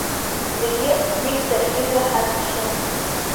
Зегьы Виктор имҩа ҳазԥшын.